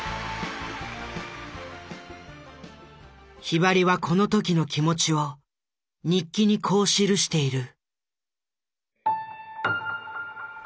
ひばりはこの時の気持ちを日記にこう記している。